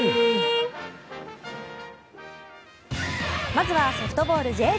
まずはソフトボール。